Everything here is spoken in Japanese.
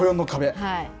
小４の壁。